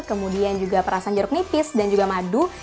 kemudian juga perasan jeruk nipis dan juga madu